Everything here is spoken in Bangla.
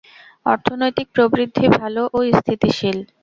অর্থনৈতিক প্রবৃদ্ধি ভালো ও স্থিতিশীল।